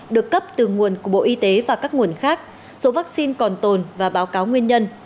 được cấp từ nguồn của bộ y tế và các nguồn khác số vaccine còn tồn và báo cáo nguyên nhân